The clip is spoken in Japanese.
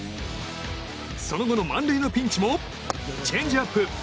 その後の満塁のピンチもチェンジアップ。